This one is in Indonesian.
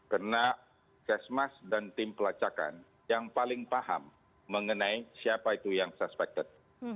karena pusiasmas dan tim pelacakan yang paling paham mengenai siapa itu yang suspected